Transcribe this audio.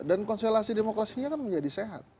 dan konstelasi demokrasi kan menjadi sehat